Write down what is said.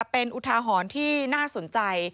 เป็นอุทาหรณ์ที่น่าสนใจ